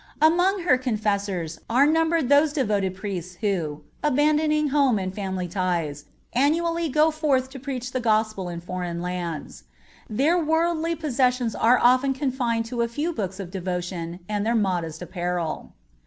Among her confessors are numbered those devoted priests who, abandoning home and family ties, annually go forth to preach the Gospel in foreign lands. Their worldly possessions are often confined to a few books of devotion and their modest apparel.